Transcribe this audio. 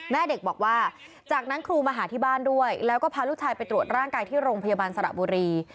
แม่เด็กบอกว่าจากนั้นครูมาหาที่บ้านด้วยแล้วก็พาลูกชายไปตรวจร่างกายที่โรงพยาบาลสระบุรี